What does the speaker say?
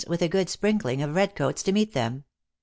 323 with a good sprinkling of red coats to meet them.